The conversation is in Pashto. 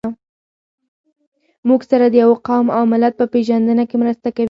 موږ سره د يوه قوم او ملت په پېژنده کې مرسته کوي.